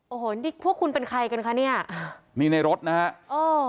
โอ้โหนี่พวกคุณเป็นใครกันคะเนี่ยนี่ในรถนะฮะโอ้